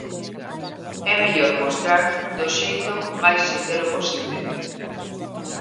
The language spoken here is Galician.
É mellor mostrar, do xeito máis sincero posible.